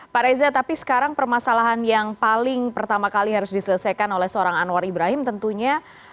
pak reza tapi sekarang permasalahan yang paling pertama kali harus diselesaikan oleh seorang anwar ibrahim tentunya